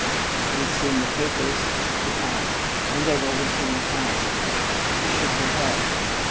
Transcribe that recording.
"You've seen the papers?" he asked when they were within the house. She shook her head.